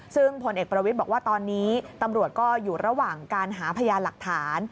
ซึ่งพลเอกประวิทย์บอกว่าตอนนี้ตำรวจก็อยู่ระหว่างการหาพยานหลักฐาน